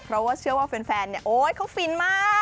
เพราะว่าเชื่อว่าแฟนเนี่ยโอ๊ยเขาฟินมาก